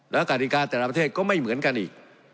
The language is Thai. แล้วกฎิกาแต่ละประเทศก็ไม่เหมือนกันอีก